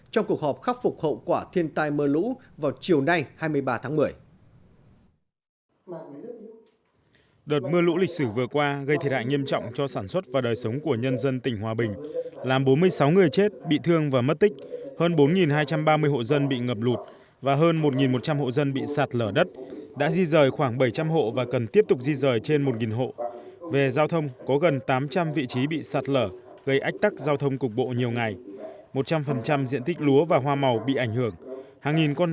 trong cuộc họp khắc phục hậu quả thiên tai mưa lũ vào chiều nay hai mươi ba tháng một mươi